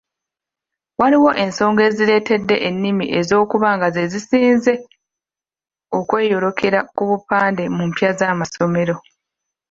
Waliwo ensonga ezireetedde ennimi ezo okuba nga ze zisinze okweyolekera ku bupande mu mpya z'amasomero.